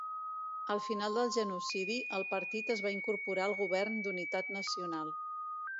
Al final del genocidi, el partit es va incorporar al govern d'unitat nacional.